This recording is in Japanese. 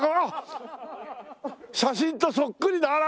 あっ写真とそっくりだ。